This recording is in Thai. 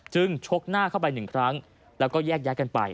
จึงชกหน้าเข้าไป๑ครั้งแล้วก็แยกกันไป